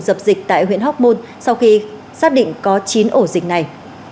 dập dịch tại huyện hoc mon sau khi xác định có chín ổ dịch này